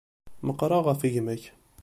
Meqqṛeɣ ɣef gma-k.